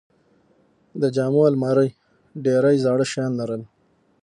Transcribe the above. د جامو الماری ډېرې زاړه شیان لرل.